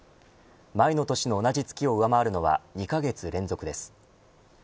前の年の同じ月を上回るのは２カ月連続です。